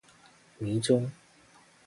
迷蹤